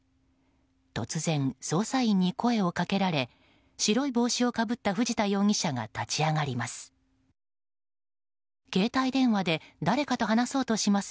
突然、捜査員に声をかけられ白い帽子をかぶった藤田容疑者が立ち上がります。